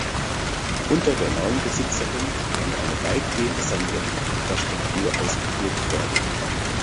Unter der neuen Besitzerin konnte eine weitgehende Sanierung der Infrastruktur ausgeführt werden.